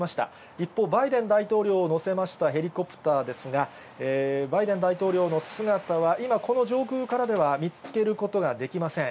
一方、バイデン大統領を乗せましたヘリコプターですが、バイデン大統領の姿は今、この上空からでは見つけることができません。